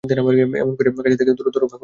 এমন করিয়া কাছে থাকিয়া দূরত্ব রক্ষা করা দুরূহ।